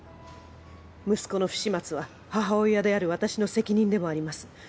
息子の不始末は母親である私の責任でもあります